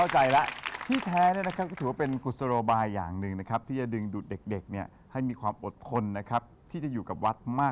การทำแบบนี้เราก็ไม่ต้องยกพลัง